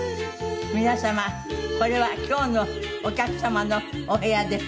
皆様これは今日のお客様のお部屋です。